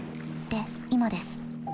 で今です。